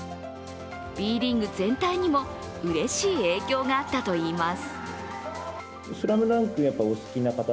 Ｂリーグ全体にもうれしい影響があったといいます。